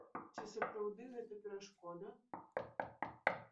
Ці сапраўды гэта перашкода?